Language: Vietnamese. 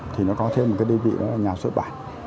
thì nó có thêm một cái đơn vị đó là nhà xuất bản